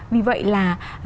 vì vậy là